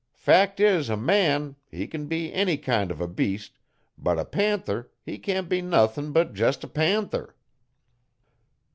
Fact is a man, he can be any kind uv a beast, but a panther he can't be nuthin' but jest a panther.'